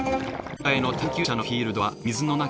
今回の探究者のフィールドは水の中。